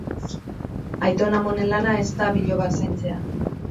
Aiton-amonen lana ez da bilobak zaintzea.